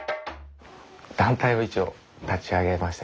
団体を一応立ち上げまして。